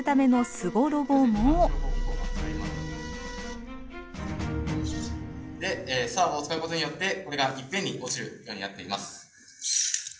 サーボを使うことによってこれがいっぺんに落ちるようになっています。